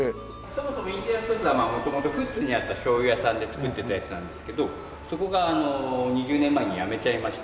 そもそもインディアンソースは元々富津にあった醤油屋さんで作ってたやつなんですけどそこが２０年前にやめちゃいまして。